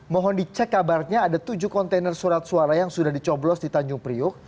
mohon dicek kabarnya ada tujuh kontainer surat suara yang sudah dicoblos di tanjung priuk